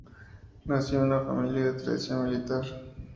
Nació en una familia de tradición militar.